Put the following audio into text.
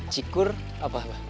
cikur apa mbah